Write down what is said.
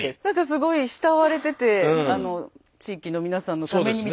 すごい慕われてて地域の皆さんのためにみたいのもあった。